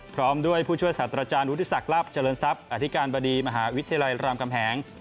พร้อมด้วยผู้ช่วยศาสตราจารย์วุฒิศักดิ์ลับเจริญทรัพย์อธิการบดีมหาวิทยาลัยรามกำแหง